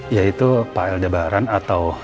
yaitu pak el jabaran atau